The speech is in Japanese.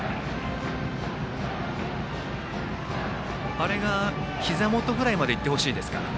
あれが、ひざ元ぐらいまでいってほしいですか。